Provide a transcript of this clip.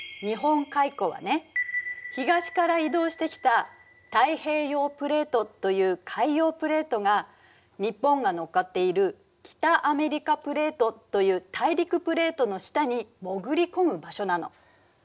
東から移動してきた太平洋プレートという海洋プレートが日本が乗っかっている北アメリカプレートという大陸プレートの下に潜り込む場所なの。